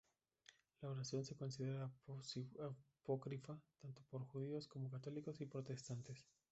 La oración se considera apócrifa tanto por judíos, como católicos y protestantes.